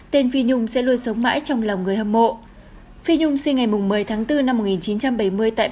tên phi nhung sẽ luôn sống mãi trong lòng người hâm mộ phi nhung sinh ngày một mươi tháng bốn năm một nghìn chín trăm bảy mươi tại